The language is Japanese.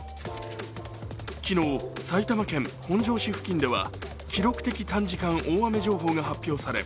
昨日、埼玉県本庄市付近では記録的短時間大雨情報が発表され